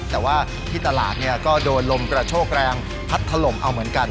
แต่ว่าที่ตลาดก็โดนลมกระโชกแรงพัดถล่มเอาเหมือนกัน